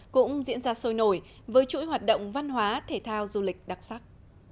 cũng diễn ra sôi nổi với chuỗi hoạt động văn hóa thể thao du lịch đặc sắc